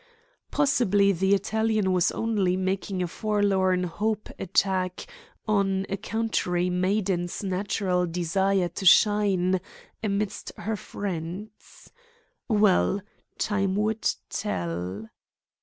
Possibly the Italian was only making a forlorn hope attack on a country maiden's natural desire to shine amidst her friends. Well, time would tell.